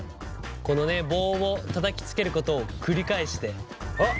このね棒をたたきつけることを繰り返して。